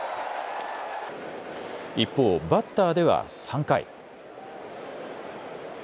一方、バッターでは３回。